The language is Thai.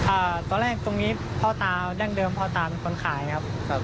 อ่าตอนแรกตรงนี้พ่อตาดั้งเดิมพ่อตาเป็นคนขายครับครับ